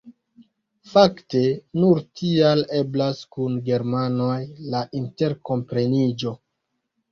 Fakte nur tial eblas kun germanoj la interkompreniĝo.